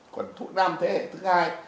còn thuốc nam thế hệ thứ hai